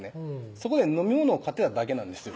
そこで飲み物を買ってただけなんですよ